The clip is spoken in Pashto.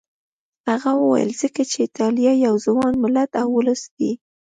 هغه وویل ځکه چې ایټالیا یو ځوان ملت او ولس دی.